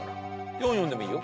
４４でもいいよ。